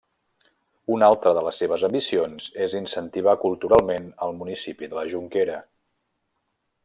Una altra de les seves ambicions és incentivar culturalment el municipi de la Jonquera.